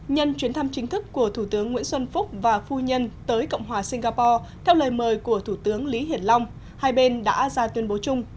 nhân chuyến thăm chính thức của thủ tướng nguyễn xuân phúc và phu nhân tới cộng hòa singapore theo lời mời của thủ tướng lý hiển long hai bên đã ra tuyên bố chung